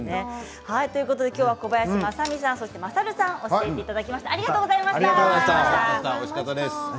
今日は小林まさみさんまさるさんに教えていただきました。